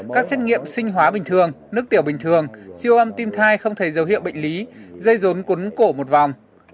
các xét nghiệm sinh hóa bình thường nước tiểu bình thường siêu âm tim thai không thấy dấu hiệu bệnh lý dây rốn quấn cổ một vòng